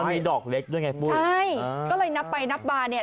มีดอกเล็กด้วยไงปุ้ยใช่ก็เลยนับไปนับมาเนี่ย